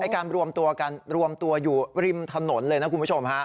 การรวมตัวกันรวมตัวอยู่ริมถนนเลยนะคุณผู้ชมฮะ